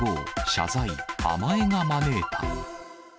謝罪、甘えが招いた。